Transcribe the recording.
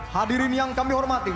hadirin yang kami hormati